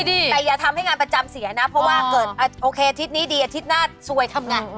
แต่อย่าทำให้งานประจำเสียนะเพราะว่าเกิดโอเคอาทิตย์นี้ดีอาทิตย์หน้าซวยทำไง